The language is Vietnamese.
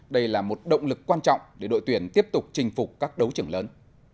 đây là một động lực quan trọng để đội tuyển tiếp tục chinh phục các đấu trưởng lớn